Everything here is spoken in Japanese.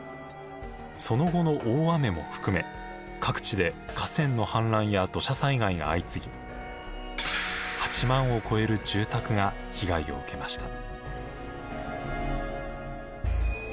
その後の大雨も含め各地で河川の氾濫や土砂災害が相次ぎ８万を超える住宅が被害を受けました。